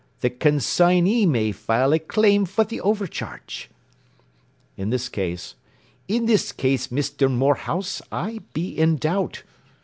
The con sign ey may file a claim for the overcharge.' In this case, Misther Morehouse, I be in doubt.